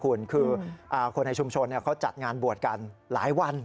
คุณคือคนในชุมชนเขาจัดงานบวชกันหลายวัน